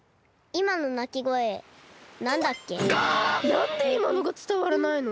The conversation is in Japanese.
なんでいまのがつたわらないの？